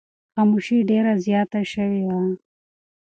خاموشي ډېره زیاته شوې وه.